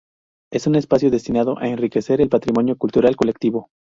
Es un espacio destinado a enriquecer el patrimonio cultural colectivo.